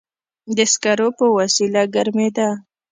د سکرو په وسیله ګرمېده.